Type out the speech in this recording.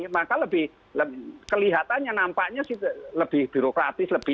maka lebih kelihatannya nampaknya lebih birokratis